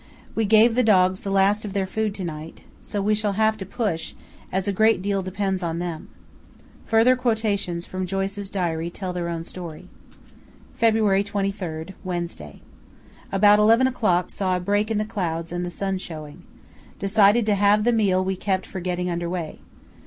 We gave the dogs the last of their food to night, so we shall have to push, as a great deal depends on them." Further quotations from Joyce's diary tell their own story. "February 23, Wednesday.—About 11 o'clock saw a break in the clouds and the sun showing. Decided to have the meal we kept for getting under way.